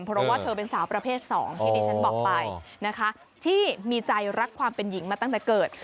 เพราะว่าเธอเป็นสาวประเภท๒ที่ดิฉันบอกไปนะคะที่มีใจรักความเป็นหญิงมาตั้งแต่เกิด